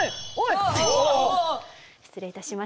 失礼いたしました。